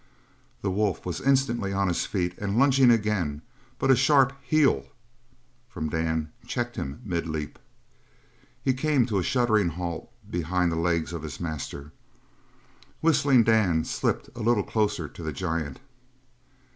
The wolf was instantly on his feet and lunging again, but a sharp "Heel!" from Dan checked him mid leap. He came to a shuddering halt behind the legs of his master. Whistling Dan slipped a little closer to the giant.